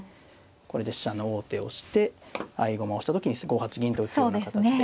これで飛車の王手をして合駒をした時に５八銀と打つような形で。